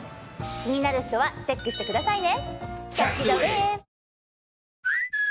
気になる人はチェックしてくださいね！